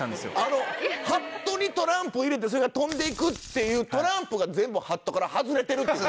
ハットにトランプを入れてそれが飛んでいくっていうトランプが全部ハットから外れてるっていうこと？